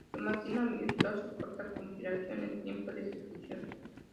Su máquina virtual soporta compilación en tiempo de ejecución.